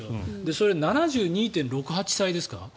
それは７２．６８歳ですか？